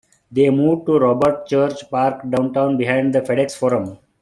They moved to Robert Church Park downtown behind the Fedex Forum.